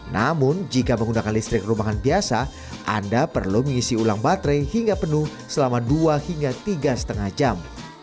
namun jika menggunakan listrik rumahan biasa anda perlu mengisi ulang baterai hingga penuh selama dua hingga tiga lima jam